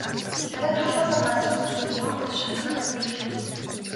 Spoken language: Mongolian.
Харин халуун нар газрын хөрсийг цоонотол шарах нь бэрх хэцүү юм.